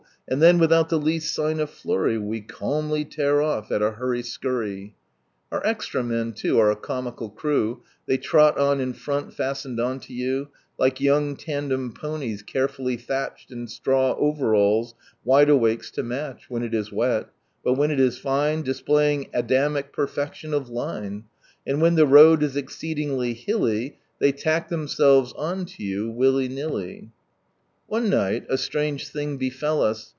And (hen without the least sign of flurry '" calmly tear off— at a huiry skurry. Our nical c They trot on in front fastened o Like young tandem ponies carefully lliatched In straw overalls, wideawakes lo match When it is wet— but when it is fine Displaying Adamic perfection of line. And when Ihe road is exceedingly hilly They lack themselves on to you, willy nilly. One night a strange thing befell us.